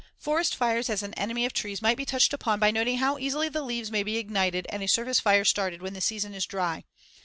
Forest fires as an enemy of trees might be touched upon by noting how easily the leaves may be ignited and a surface fire started when the season is dry.